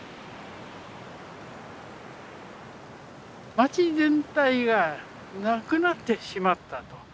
町全体がなくなってしまったと。